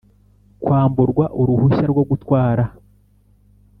Kwamburwa uruhushya rwo gutwara